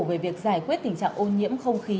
về việc giải quyết tình trạng ô nhiễm không khí